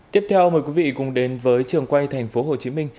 tiếp theo mời quý vị cùng đến với trường quay thành phố hồ chí minh